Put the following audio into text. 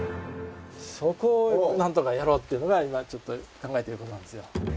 そこをなんとかやろうっていうのが今ちょっと考えてることなんですよ。